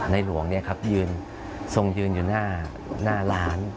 นายหลวงนี่ครับยืนทรงยืนอยู่หน้าหลาน